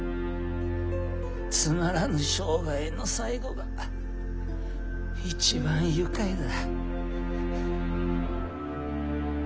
つまらぬ生涯の最期が一番愉快だ。